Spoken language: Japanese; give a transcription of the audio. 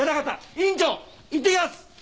院長いってきます！